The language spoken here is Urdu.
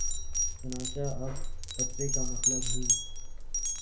چنانچہ اب فتوے کا مطلب ہی